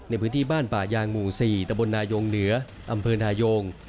ในพื้นที่บ้านป่ายางหมู่๔ตะบลนายงเหนืออำเภอนายง